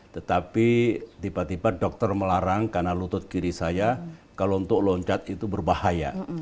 tetapi tiba tiba dokter melarang karena lutut kiri saya kalau untuk loncat itu berbahaya